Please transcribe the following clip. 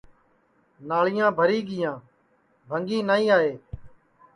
ناݪیاں بھری گیا بھنٚگی نائی آئے